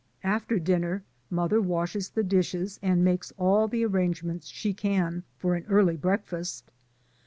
After dinner mother washes the dishes and makes all the arrangements she can for an early breakfast.